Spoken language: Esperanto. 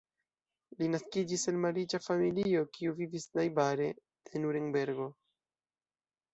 Li naskiĝis el malriĉa familio kiu vivis najbare de Nurenbergo.